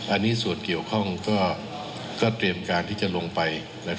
อันนี้ส่วนเกี่ยวข้องก็เตรียมการที่จะลงไป